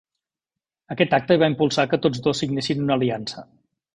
Aquest acte va impulsar que tots dos signessin una aliança.